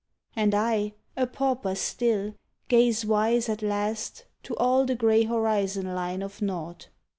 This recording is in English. And I a pauper still gaze wise at last To all the grey horizon line of nought.